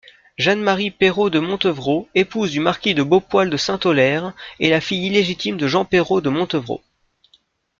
Jeanne-Marie Perrault-de-Montevrault, épouse du marquis de Beaupoil-de-Sainte-Aulaire est la fille illégitime de Jean Perrault-de-Montevrault.